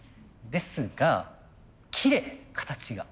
ですがきれい形が。